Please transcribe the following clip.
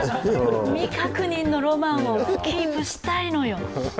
未確認のロマンをキープしたいのよ。